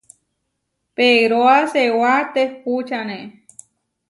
Pegroá seewá tehpúčane.